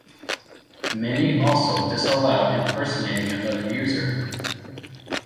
Many also disallow impersonating another user.